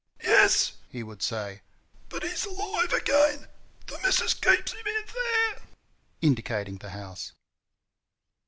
"Yes," he would say, "but he's alive again. The missus keeps him in there" indicating the house.